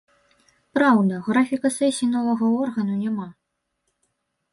Праўда, графіка сесій новага органу няма.